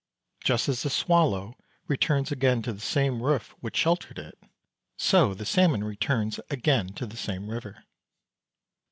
Just as the swallow returns again to the same roof which sheltered it, so the salmon returns again to the same river.